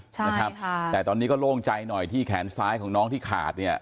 ใช่นะครับค่ะแต่ตอนนี้ก็โล่งใจหน่อยที่แขนซ้ายของน้องที่ขาดเนี่ย